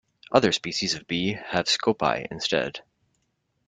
Other species of bee have scopae instead.